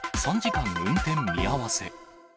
３時間運転見合わせ。